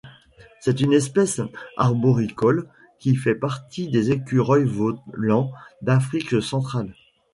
C'est une espèce arboricole qui fait partie des écureuils volants d'Afrique centrale.